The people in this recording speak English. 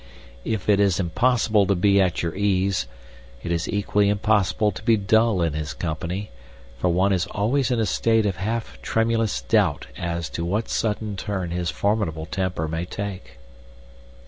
If it is impossible to be at your ease, it is equally impossible to be dull in his company, for one is always in a state of half tremulous doubt as to what sudden turn his formidable temper may take.